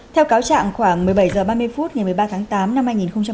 theo cáo trạng khoảng một mươi bảy h ba mươi phút ngày một mươi ba tháng tám năm hai nghìn hai mươi